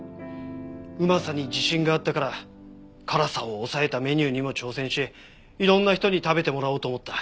うまさに自信があったから辛さを抑えたメニューにも挑戦しいろんな人に食べてもらおうと思った。